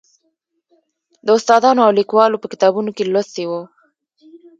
د استادانو او لیکوالو په کتابونو کې لوستی و.